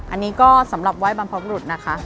อันนี้ก็สำหรับไหว้บรรพบุรุษนะคะ